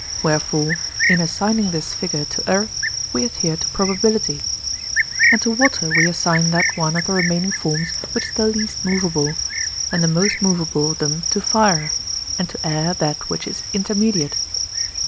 Wherefore, in assigning this figure to earth, we adhere to probability; and to water we assign that one of the remaining forms which is the least moveable; and the most moveable of them to fire; and to air that which is intermediate.